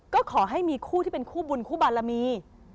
ก็ขอให้มีคู่ที่เป็นคู่บุญคู่บารมี